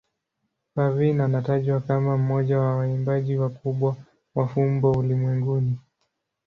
Parveen anatajwa kama mmoja wa waimbaji wakubwa wa fumbo ulimwenguni.